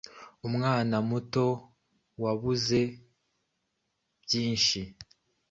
Umwana muto wabuze byinshi